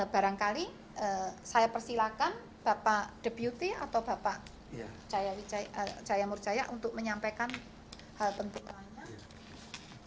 barangkali saya persilakan bapak debuti atau bapak jaya murjaya untuk menyampaikan hal penting lainnya